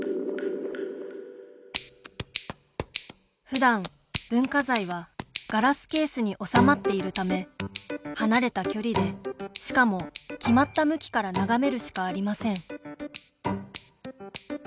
ふだん文化財はガラスケースに納まっているため離れた距離でしかも決まった向きから眺めるしかありません